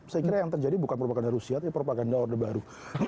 saya kira yang terjadi bukan propaganda rusia tapi propaganda orde baru